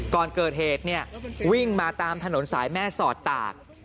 ก่อนเกิดเหตุวิ่งมาตามถนนสายแม่สอดตาก